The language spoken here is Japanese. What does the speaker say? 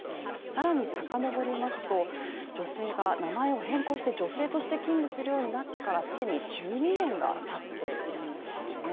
更にさかのぼりますと、女性が名前を変更して女性として勤務するようになってから既に１２年がたっているんですよね。